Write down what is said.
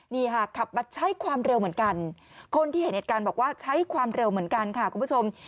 นี่ค่ะขับมาใช้ความเร็วเหมือนกันคนที่เห็นเหตุการณ์บอกว่าใช้ความเร็วเหมือนกันค่ะคุณผู้ชม